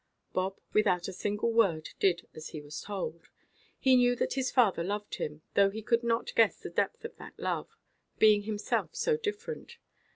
Bob, without a single word, did as he was told. He knew that his father loved him, though he could not guess the depth of that love, being himself so different.